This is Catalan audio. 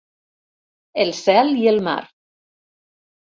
El cel i el mar.